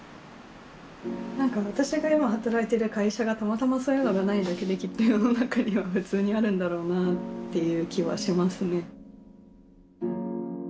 何か私が今働いてる会社がたまたまそういうのがないだけできっと世の中には普通にあるんだろうなという気はしますね。